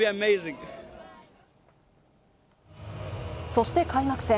そして開幕戦。